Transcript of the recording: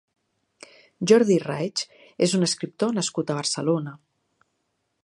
Jordi Raich és un escriptor nascut a Barcelona.